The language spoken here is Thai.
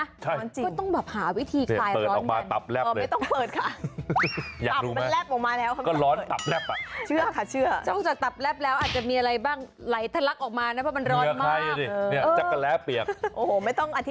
ก็ต้องแบบหาวิธีคลายร้อน